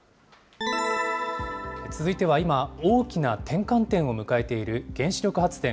続いては今大きな転換点を迎えている原子力発電。